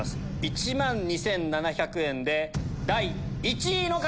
１万２７００円で第１位の方！